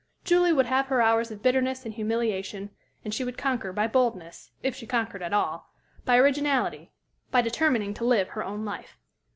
Julie would have her hours of bitterness and humiliation; and she would conquer by boldness, if she conquered at all by originality, by determining to live her own life.